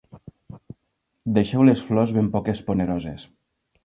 Deixeu les flors ben poc esponeroses.